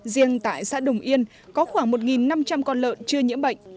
riêng tại xã đồng yên có khoảng một năm trăm linh con lợn chưa nhiễm bệnh